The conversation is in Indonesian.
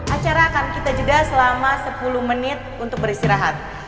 acara akan kita jeda selama sepuluh menit untuk beristirahat